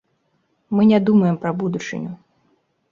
Мы не думаем пра будучыню.